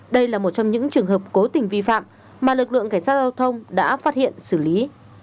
đây là một trong những trường hợp cố tình vi phạm mà lực lượng cảnh sát giao thông đã phát hiện xử lý